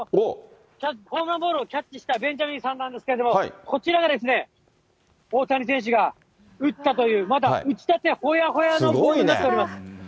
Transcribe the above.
ホームランボールをキャッチしたベンジャミンさんなんですけども、こちらが、大谷選手が打ったという、まだ打ちたてほやほやのボールになっております。